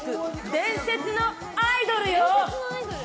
伝説アイドルよ！